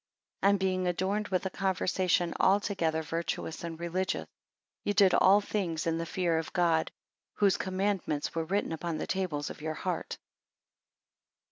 And being adorned with a conversation altogether virtuous and religious, ye did all things in the fear of God; whose I commandments were written upon the tables of your heart.